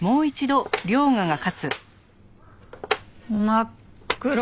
真っ黒。